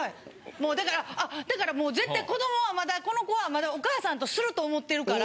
もうだから絶対子どもはまだこの子はお母さんとすると思ってるから。